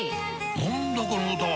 何だこの歌は！